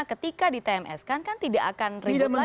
ketika ditemeskan kan tidak akan ribut lagi dong